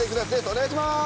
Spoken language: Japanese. お願いします！